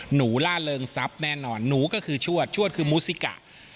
ล่าเริงทรัพย์แน่นอนหนูก็คือชวดชวดคือมูซิกะ